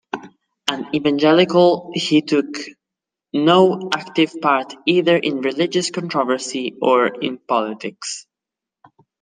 An evangelical, he took no active part either in religious controversy or in politics.